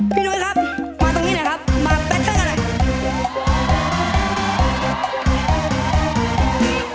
พี่น้อยครับมาตรงนี้หน่อยครับมาแปตเทอร์กันหน่อย